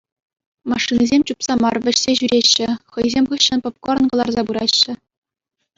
Машинисем чупса мар, вӗҫсе ҫӳреҫҫӗ, хӑйсем хыҫҫӑн попкорн кӑларса пыраҫҫӗ.